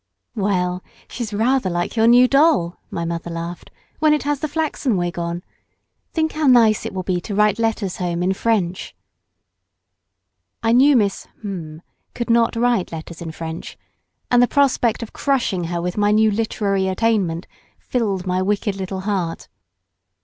"Well, she's rather like your new doll," my mother laughed, "when it has the flaxen wig on. Think how nice it will be to be able to write letters home in French." I knew Miss —— could not write letters in French, and the prospect of crushing her with my new literary attainment filled my wicked little heart.